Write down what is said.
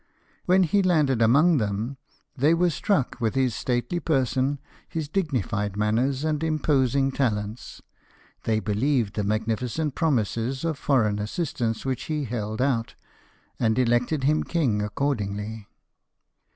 When he landed among them, they were struck with his stately person, his dignified manners, and imposing talents ; they believed the magnificent promises of foreign assistance which he held out, and elected him king accordingly.